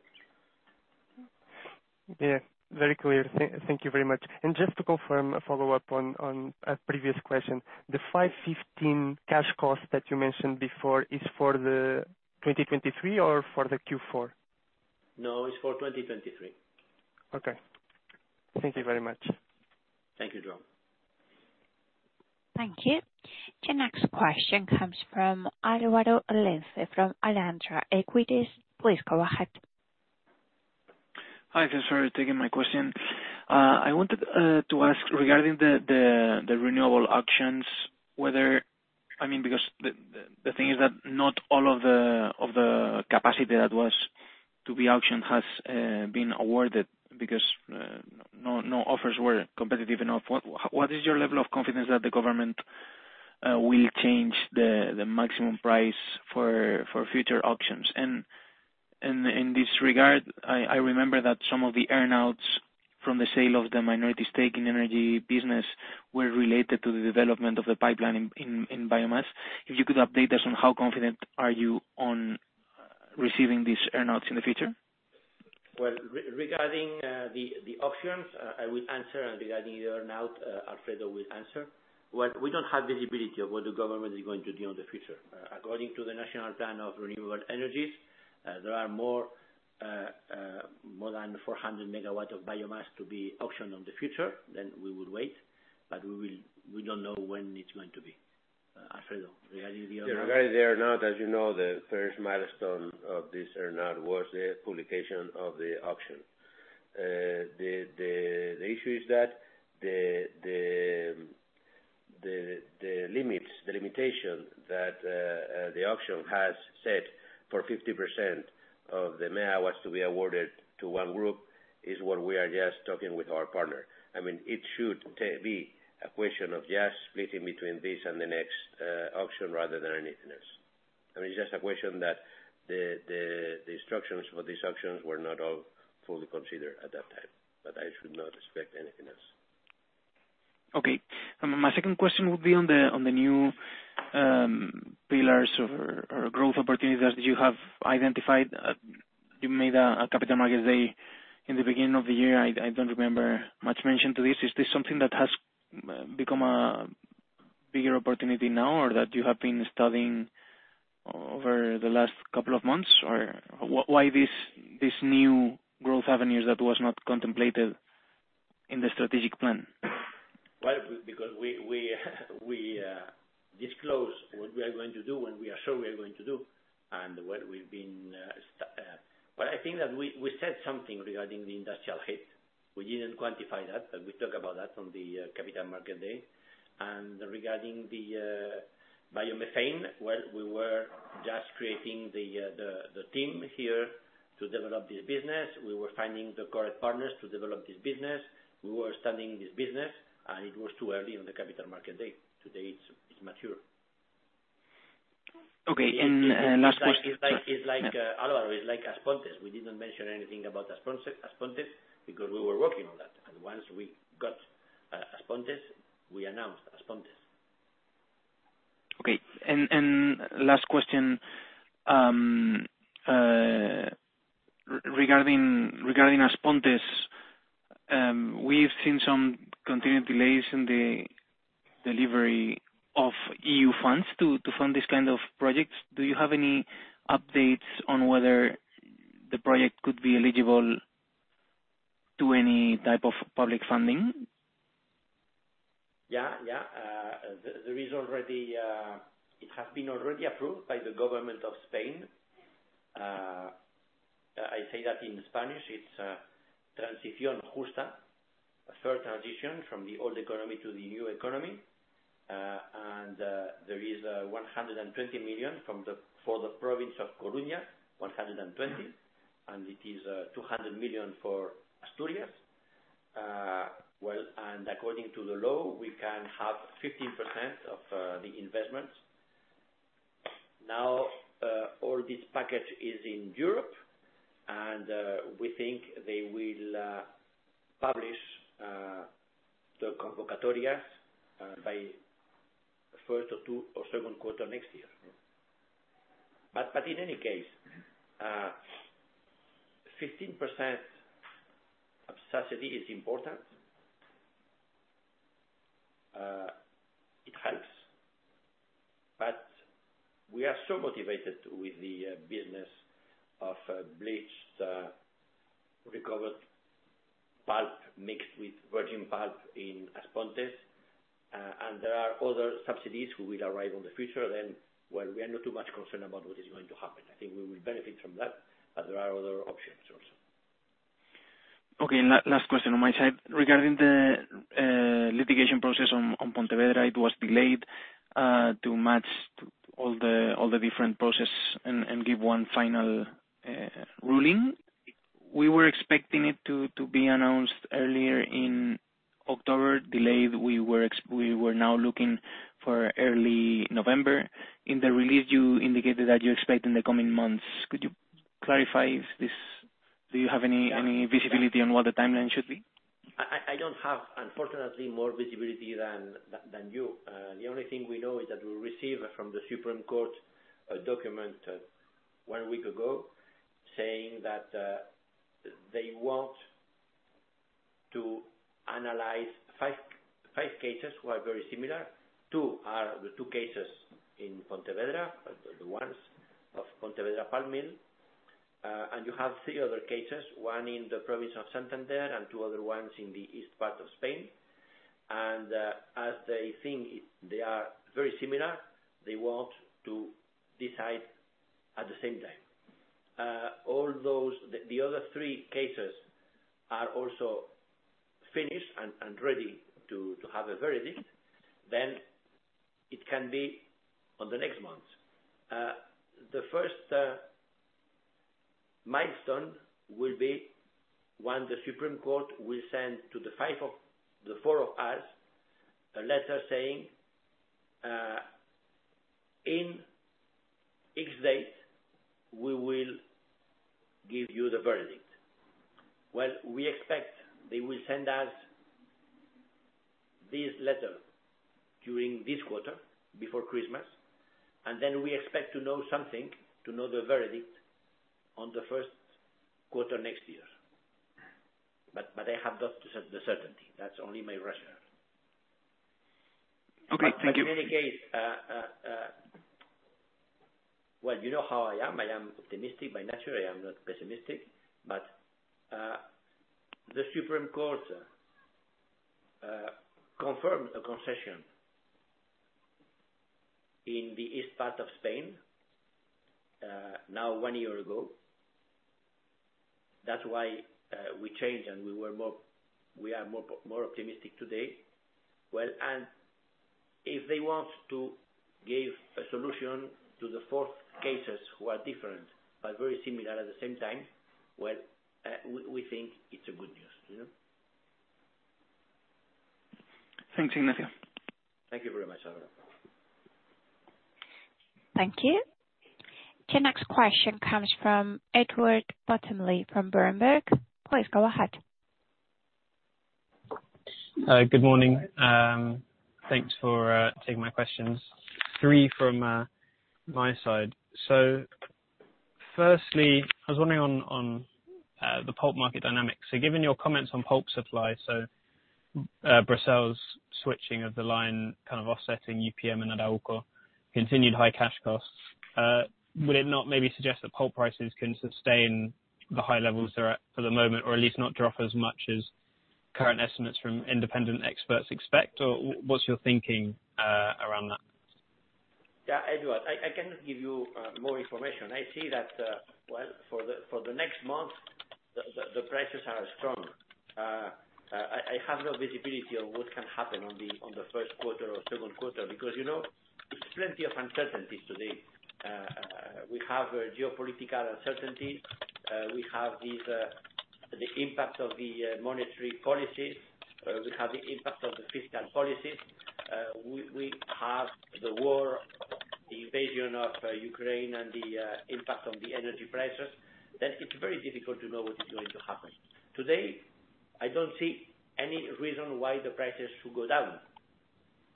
G: Yeah. Very clear. Thank you very much. Just to confirm, a follow-up on a previous question, the 515 cash cost that you mentioned before is for 2023 or for Q4?
B: No, it's for 2023.
G: Okay. Thank you very much.
B: Thank you, João.
A: Thank you. The next question comes from Álvaro Lenze, from Alantra Equities. Please go ahead.
H: Hi, thanks for taking my question. I wanted to ask regarding the renewable auctions, whether I mean, because the thing is that not all of the capacity that was to be auctioned has been awarded because no offers were competitive enough. What is your level of confidence that the government will change the maximum price for future auctions? In this regard, I remember that some of the earn-outs from the sale of the minority stake in energy business were related to the development of the pipeline in biomass. If you could update us on how confident are you on receiving these earn-outs in the future?
B: Well, regarding the auctions, I will answer and regarding the earn-out, Alfredo will answer. Well, we don't have visibility of what the government is going to do in the future. According to the National Plan of Renewable Energies, there are more than 400 MW of biomass to be auctioned in the future, then we will wait, but we don't know when it's going to be. Alfredo, regarding the earn-out.
C: Regarding the earn-out, as you know, the first milestone of this earn-out was the publication of the auction. The issue is that the limitation that the auction has set for 50% of the megawatts to be awarded to one group is what we are just talking with our partner. I mean, it should be a question of just splitting between this and the next auction rather than anything else. I mean, it's just a question that the instructions for these auctions were not all fully considered at that time, but I should not expect anything else.
H: Okay. My second question would be on the new pillars or growth opportunities that you have identified. You made a Capital Markets Day in the beginning of the year. I don't remember much mentioned to this. Is this something that has become a bigger opportunity now or that you have been studying over the last couple of months? Or why this new growth avenues that was not contemplated in the strategic plan?
B: Well, because we disclose what we are going to do when we are sure we are going to do. Well, I think that we said something regarding the industrial heat. We didn't quantify that, but we talk about that on the Capital Markets Day. Regarding the biomethane, well, we were just creating the team here to develop this business. We were finding the correct partners to develop this business. We were studying this business, and it was too early on the Capital Markets Day. Today, it's mature.
H: Okay. Last question.
B: It's like, Álvaro, it's like As Pontes. We didn't mention anything about As Pontes because we were working on that. Once we got As Pontes, we announced As Pontes.
H: Okay. Last question, regarding As Pontes, we've seen some continued delays in the delivery of EU funds to fund these kind of projects. Do you have any updates on whether the project could be eligible to any type of public funding?
B: It has been already approved by the government of Spain. I say that in Spanish, it's transición justa, a fair transition from the old economy to the new economy. There is 120 million for the province of A Coruña. It is 200 million for Asturias. Well, according to the law, we can have 15% of the investments. Now, all this package is in Europe, and we think they will publish the convocatorias by first or second quarter next year. In any case, 15% subsidy is important. It helps. We are so motivated with the business of bleached recovered pulp mixed with virgin pulp in As Pontes. There are other subsidies who will arrive in the future then. Well, we are not too much concerned about what is going to happen. I think we will benefit from that, but there are other options also.
H: Okay. Last question on my side. Regarding the litigation process on Pontevedra, it was delayed to match all the different process and give one final ruling. We were expecting it to be announced earlier in October. Delayed, we were now looking for early November. In the release, you indicated that you expect in the coming months. Could you clarify if this. Do you have any visibility on what the timeline should be?
B: I don't have, unfortunately, more visibility than you. The only thing we know is that we received from the Supreme Court a document one week ago saying that they want to analyze five cases who are very similar. Two are the cases in Pontevedra, the ones of Pontevedra pulp mill. You have three other cases, one in the province of Santander and two other ones in the east part of Spain. As they think they are very similar, they want to decide at the same time. All those the other three cases are also finished and ready to have a verdict. It can be on the next month. The first milestone will be when the Supreme Court will send to the four of us a letter saying, "In X date, we will give you the verdict." Well, we expect they will send us this letter during this quarter before Christmas, and then we expect to know something, to know the verdict on the first quarter next year. I have not the certainty. That's only my rationale.
H: Okay. Thank you.
B: In any case, well, you know how I am. I am optimistic by nature. I am not pessimistic, but the Supreme Court confirmed a concession in the East part of Spain now one year ago. That's why we changed and we are more optimistic today. Well, if they want to give a solution to the four other cases who are different but very similar at the same time, well, we think it's good news, you know.
H: Thanks, Ignacio.
B: Thank you very much, Álvaro.
A: Thank you. The next question comes from Edward Bottomley from Berenberg. Please go ahead.
I: Good morning. Thanks for taking my questions. Three from my side. Firstly, I was wondering on the pulp market dynamics. Given your comments on pulp supply, Brazil's switching of the line, kind of offsetting UPM and Arauco continued high cash costs, would it not maybe suggest that pulp prices can sustain the high levels they're at for the moment, or at least not drop as much as current estimates from independent experts expect? What's your thinking around that?
B: Yeah, Edward, I cannot give you more information. I see that for the next month the prices are strong. I have no visibility on what can happen on the first quarter or second quarter because, you know, there's plenty of uncertainties today. We have a geopolitical uncertainty. We have the impact of the monetary policies. We have the impact of the fiscal policies. We have the war, the invasion of Ukraine and the impact on the energy prices. Then it's very difficult to know what is going to happen. Today, I don't see any reason why the prices should go down.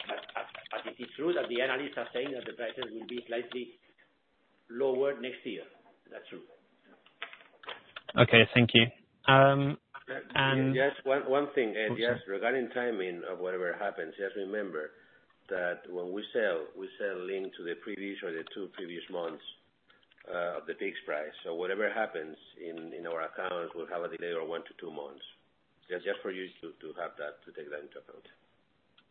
B: But it is true that the analysts are saying that the prices will be slightly lower next year. That's true.
I: Okay. Thank you.
C: Just one thing, Ed.
I: Of course.
C: Just regarding timing of whatever happens, just remember that when we sell, we sell linked to the previous or the two previous months of the fixed price. Whatever happens in our accounts, we'll have a delay of one to two months. Just for you to have that, to take that into account.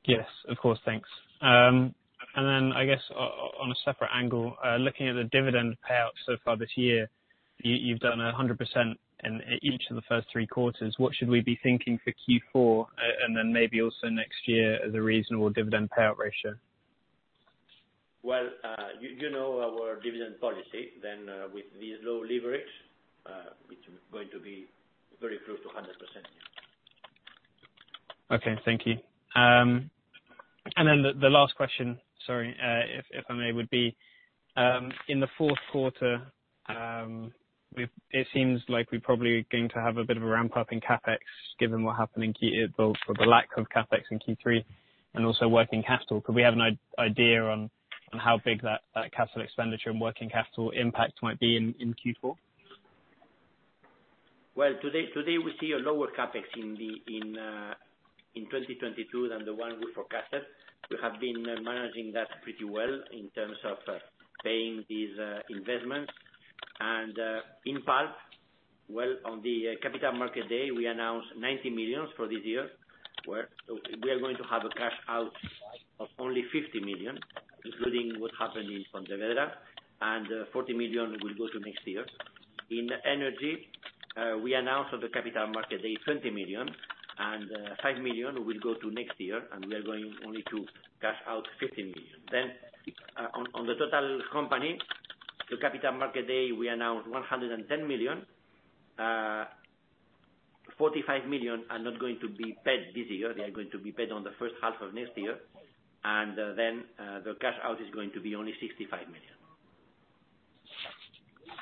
I: Yes, of course. Thanks. I guess on a separate angle, looking at the dividend payout so far this year, you've done 100% in each of the first three quarters. What should we be thinking for Q4, and then maybe also next year as a reasonable dividend payout ratio?
B: Well, you know our dividend policy then, with this low leverage, which is going to be very close to 100%.
I: Okay. Thank you. The last question, sorry, if I may, would be in the fourth quarter. It seems like we're probably going to have a bit of a ramp up in CapEx, given what happened in Q3 or the lack of CapEx in Q3, and also working capital. Could we have an idea on how big that capital expenditure and working capital impact might be in Q4?
B: Well, today we see a lower CapEx in 2022 than the one we forecasted. We have been managing that pretty well in terms of paying these investments. In pulp, well, on the Capital Market Day, we announced 90 million for this year, where we are going to have a cash out of only 50 million, including what happened in Pontevedra, and 40 million will go to next year. In energy, we announced on the Capital Market Day, 20 million, and five million will go to next year, and we are going only to cash out 15 million. On the total company, the Capital Market Day, we announced 110 million. 45 million are not going to be paid this year. They are going to be paid on the first half of next year, and then the cash out is going to be only 65 million.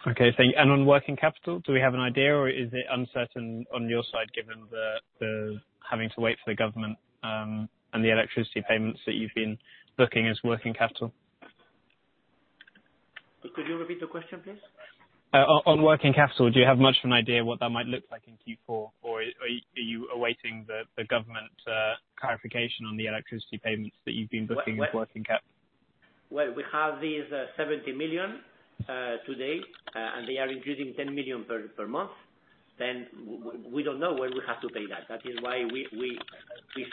I: Okay, thank you. On working capital, do we have an idea, or is it uncertain on your side given the having to wait for the government, and the electricity payments that you've been booking as working capital?
B: Could you repeat the question, please?
I: On working capital, do you have much of an idea what that might look like in Q4, or are you awaiting the government clarification on the electricity payments that you've been booking as working capital?
B: Well, we have these 70 million today, and they are increasing 10 million per month. We don't know when we have to pay that. That is why we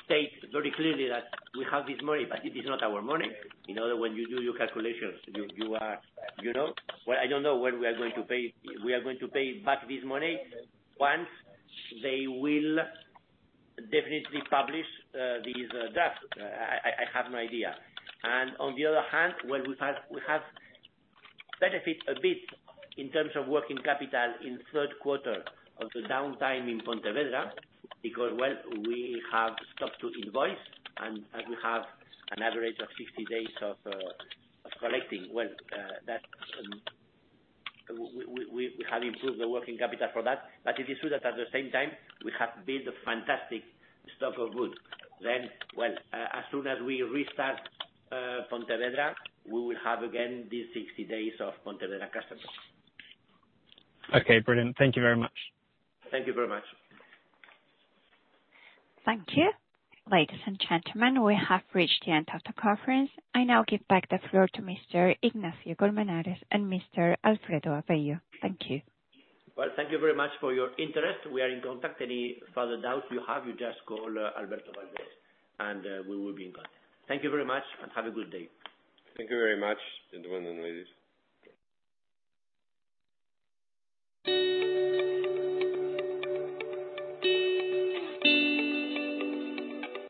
B: state very clearly that we have this money, but it is not our money. You know, when you do your calculations, you are. You know? Well, I don't know when we are going to pay. We are going to pay back this money once they will definitely publish this draft. I have no idea. On the other hand, well, we have benefited a bit in terms of working capital in third quarter of the downtime in Pontevedra because, well, we have stopped to invoice and we have an average of 60 days of collecting. Well, that we have improved the working capital for that. It is true that at the same time we have built a fantastic stock of goods. Well, as soon as we restart Pontevedra, we will have again these 60 days of Pontevedra customers.
I: Okay, brilliant. Thank you very much.
B: Thank you very much.
A: Thank you. Ladies and gentlemen, we have reached the end of the conference. I now give back the floor to Mr. Ignacio de Colmenares and Mr. Alfredo Avello. Thank you.
B: Well, thank you very much for your interest. We are in contact. Any further doubts you have, you just call Alberto Valdés, and we will be in contact. Thank you very much and have a good day.
C: Thank you very much, gentlemen and ladies.